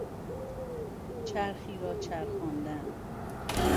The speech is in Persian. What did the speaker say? چرخی را چرخاندن